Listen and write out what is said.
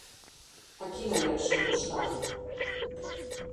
A quina direcció postal?